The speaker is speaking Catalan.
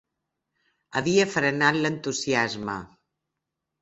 Havia frenat l'entusiasme.